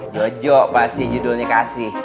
jojo pasti judulnya kasih